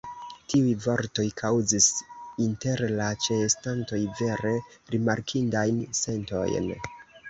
Tiuj vortoj kaŭzis inter la ĉeestantoj vere rimarkindajn sentojn.